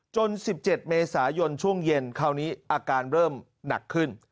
๑๗เมษายนช่วงเย็นคราวนี้อาการเริ่มหนักขึ้น